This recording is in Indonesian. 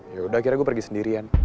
yaudah akhirnya gue pergi sendirian